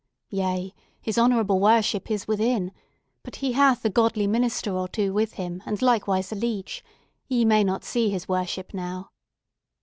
"Yea, his honourable worship is within. But he hath a godly minister or two with him, and likewise a leech. Ye may not see his worship now."